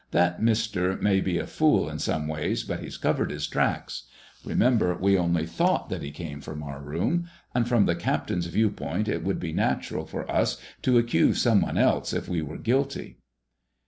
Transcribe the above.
"That mister may be a fool in some ways, but he's covered his tracks. Remember, we only thought that he came from our room. And, from the captain's viewpoint, it would be natural for us to accuse someone else if we were guilty."